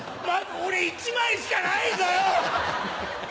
俺１枚しかないんだよ！